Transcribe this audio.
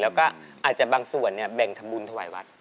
แล้วก็อาจจะบางส่วนเนี่ยแบ่งทะวัยวัด